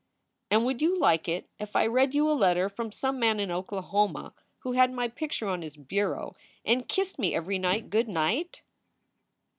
"And would you like it if I read you a letter from some man in Oklahoma who had my picture on his bureau and kissed me every night good night?"